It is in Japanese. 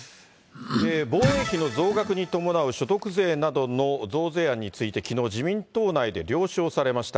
防衛費の増額に伴う所得税などの増税案についてきのう、自民党内で了承されました。